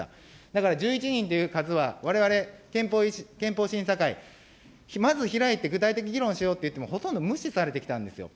だから１１人という数は、われわれ、憲法審査会、まず開いて、具体的に議論しようと言っても、ほとんど無視されてきたんですよ。